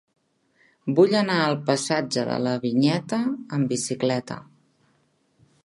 Vull anar al passatge de la Vinyeta amb bicicleta.